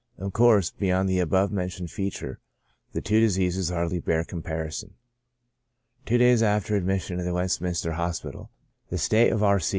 Of course, beyond the above mentioned feature, the two diseases hardly bear comparison. Two days after admission into the Westminster Hospital, SYMPTOMS. 37 the state of R.